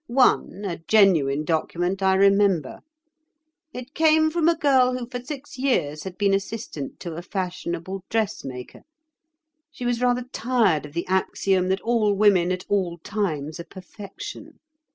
One, a genuine document, I remember. It came from a girl who for six years had been assistant to a fashionable dressmaker. She was rather tired of the axiom that all women, at all times, are perfection.